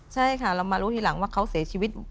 ใช่ค่ะเรามารู้ทีหลังว่าเขาเสียชีวิต